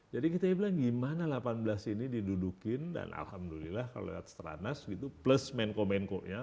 jadi kita bilang gimana delapan belas ini didudukin dan alhamdulillah kalau lihat stranas plus menko menko nya